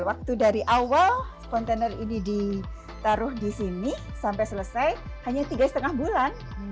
waktu dari awal kontainer ini ditaruh di sini sampai selesai hanya tiga lima bulan